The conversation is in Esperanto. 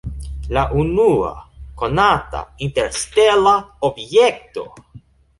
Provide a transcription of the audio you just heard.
La unua konata interstela objekto!